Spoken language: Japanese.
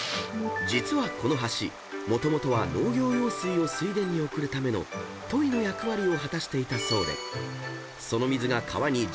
［実はこの橋もともとは農業用水を水田に送るためのといの役割を果たしていたそうで］